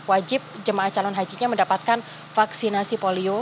wajib jemaah calon hajinya mendapatkan vaksinasi polio